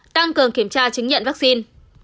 tăng cường kiểm tra chứng nhận vaccine